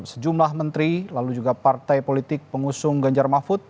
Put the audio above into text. sejumlah menteri lalu juga partai politik pengusung ganjar mahfud